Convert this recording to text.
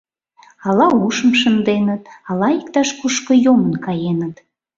Ала ушым шынденыт, ала иктаж-кушко йомын каеныт.